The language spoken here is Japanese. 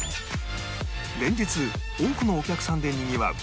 連日多くのお客さんでにぎわう